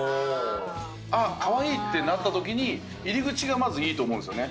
あっ、かわいいってなったときに、入り口がまずいいと思うんですよね。